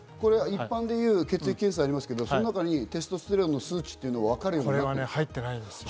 一般でいう血液検査がありますが、その中にテストステロンの数値がわかるようになってるんですか？